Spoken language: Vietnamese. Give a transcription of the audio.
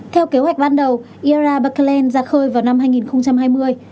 theo kế hoạch ban đầu zara berkeland ra khơi vào năm hai nghìn hai mươi